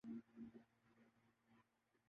جس کا سبب ذاتی مصروفیت تھی ۔